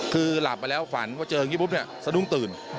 คือหลับไปแล้วฝันก็เจอแบบนี้ปุ๊บสนุกตื่น